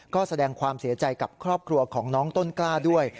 ก็แสดงความเสียใจกับครอบครัวของน้องต้นกล้าด้วย